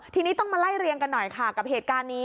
ทีนี้ต้องมาไล่เรียงกันหน่อยค่ะกับเหตุการณ์นี้